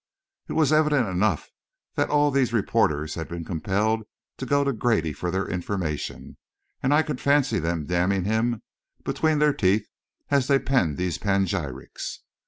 It was evident enough that all these reporters had been compelled to go to Grady for their information, and I could fancy them damning him between their teeth as they penned these panegyrics.